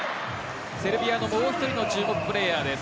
セルビアのもう１人の注目プレーヤーです。